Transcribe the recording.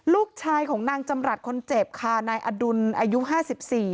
ลูกชายของนางจำลัดคนเจ็บค่ะนายอดุลประเสริฐอายุ๕๔